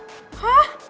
menurut gue boy tuh unik